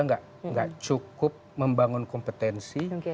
nggak cukup membangun kompetensi